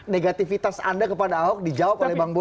negatifitas anda kepada ahok dijawab oleh bang boya